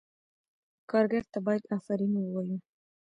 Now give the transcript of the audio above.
کارګر ته باید آفرین ووایو.